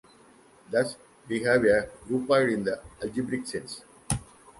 Thus we have a groupoid in the algebraic sense.